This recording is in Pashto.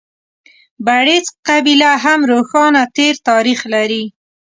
بړېڅ قبیله هم روښانه تېر تاریخ لري.